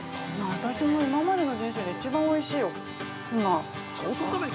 ◆私も今までの人生で一番おいしい。